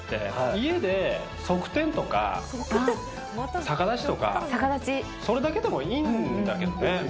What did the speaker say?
家で側転とか、逆立ちとか、それだけでもいいんだけどね。